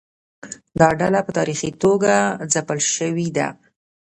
دا ډله په تاریخي توګه ځپل شوې ده.